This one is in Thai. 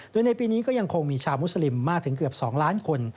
โดยในปีนี้ก็ยังคงมีชาวมุสลิมมากถึงเกือบ๒ล้านคน